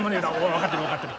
分かってる分かってる。